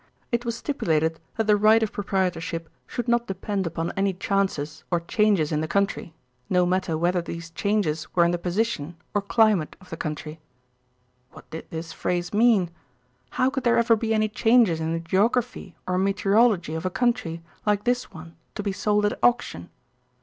It was stipulated that the right of proprietorship should not depend upon any chances or changes in the country, no matter whether these changes were in the position or climate of the country. What did this phrase mean? How could there ever be any changes in the geography or meteorology of a country like this one to be sold at auction?